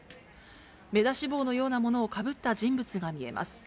目出し帽のようなものをかぶった人物が見えます。